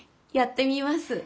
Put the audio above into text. やってみます。